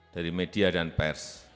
dari media dan pers